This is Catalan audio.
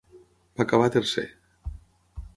Va acabar tercer.